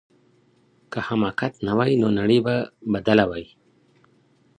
که حماقت نه وای نو نړۍ به بدله وای.